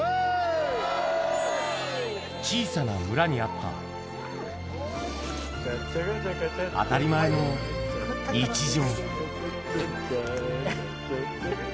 小さな村にあった、当たり前の日常。